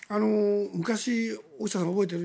昔、大下さん覚えている？